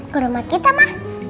ke rumah kita ma